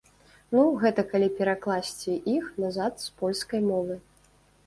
Ну, гэта калі перакласці іх назад з польскай мовы.